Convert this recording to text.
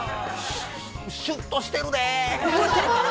シュッとしてるで。